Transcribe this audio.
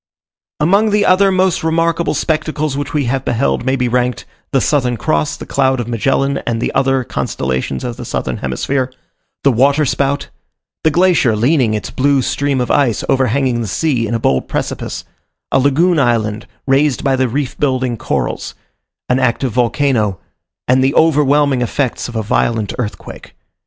Among the other most remarkable spectacles which we have beheld, may be ranked, the Southern Cross, the cloud of Magellan, and the other constellations of the southern hemisphere the water spout the glacier leading its blue stream of ice, overhanging the sea in a bold precipice a lagoon island raised by the reef building corals an active volcano and the overwhelming effects of a violent earthquake.